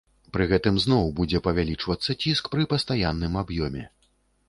Пры гэтым зноў будзе павялічвацца ціск пры пастаянным аб'ёме.